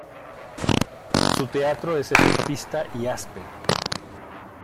Su teatro es efectista y áspero.